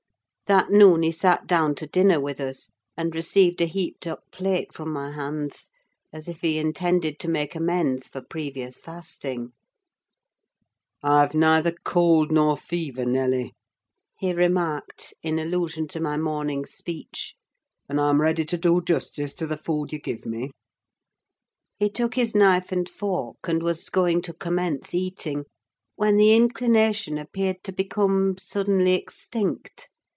That noon he sat down to dinner with us, and received a heaped up plate from my hands, as if he intended to make amends for previous fasting. "I've neither cold nor fever, Nelly," he remarked, in allusion to my morning's speech; "and I'm ready to do justice to the food you give me." He took his knife and fork, and was going to commence eating, when the inclination appeared to become suddenly extinct.